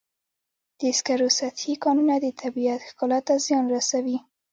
د سکرو سطحي کانونه د طبیعت ښکلا ته زیان رسوي.